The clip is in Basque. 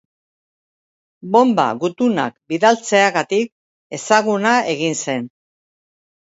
Bonba gutunak bidaltzeagatik ezaguna egin zen.